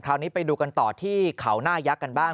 คราวนี้ไปดูกันต่อที่เขาหน้ายักษ์กันบ้าง